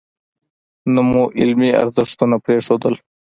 نه مو علمي ارزښتونه پرېښودل.